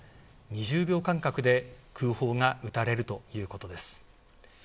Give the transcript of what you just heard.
２０秒間隔で空砲が撃たれるということです。